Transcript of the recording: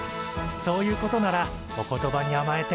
そういうことならお言葉にあまえて。